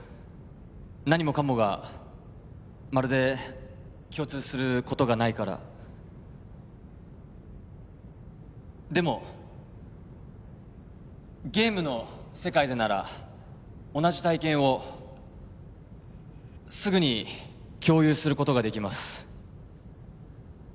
何もかもがまるで共通することがないからでもゲームの世界でなら同じ体験をすぐに共有することができます